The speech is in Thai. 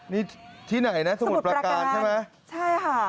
นี่ที่ไหนนะสมุดประการใช่ไหม